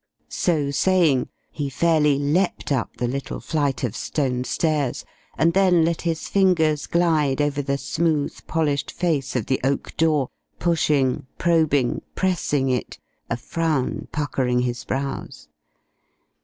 So saying, he fairly leapt up the little flight of stone stairs, and then let his fingers glide over the smooth polished face of the oak door, pushing, probing, pressing it, a frown puckering his brows.